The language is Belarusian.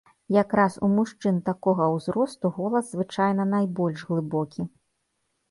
Якраз у мужчын такога ўзросту голас звычайна найбольш глыбокі.